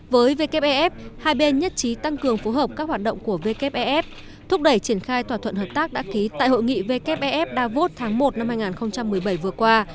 với wfef hai bên nhất trí tăng cường phối hợp các hoạt động của wfef thúc đẩy triển khai thỏa thuận hợp tác đã ký tại hội nghị wfef davos tháng một năm hai nghìn một mươi bảy vừa qua